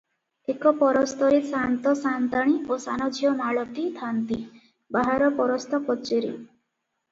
ଏକ ପରସ୍ତରେ ସାଆନ୍ତ ସାଆନ୍ତାଣି ଓ ସାନଝିଅ ମାଳତି ଥାନ୍ତି, ବାହାର ପରସ୍ତ କଚେରୀ ।